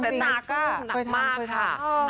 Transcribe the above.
เป็นหน้าก็หนักมากค่ะ